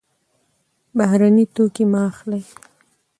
بهرني توکي مه اخلئ.